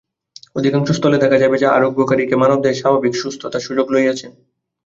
অধিকাংশ স্থলে দেখা যাইবে যে, আরোগ্যকারী মানব-দেহের স্বাভাবিক সুস্থতার সুযোগ লইতেছেন।